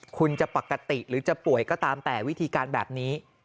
คุณจะปกติหรือจะป่วยก็ตามแต่วิธีการแบบนี้